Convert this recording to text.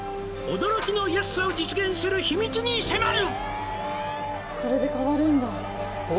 「驚きの安さを実現する秘密に迫る」